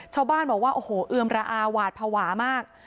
ชาวบ้านบอกว่าโอ้โหเอือมระอาหวาดภาวะมาก